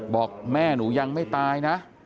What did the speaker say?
บอกแม่หนูยังไม่ตายนะ